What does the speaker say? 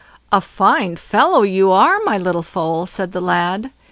"A fine fellow you are, my little foal", said the lad.